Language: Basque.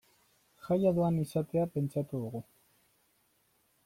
Jaia doan izatea pentsatu dugu.